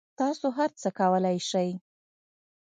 تاسو هر څه کولای شئ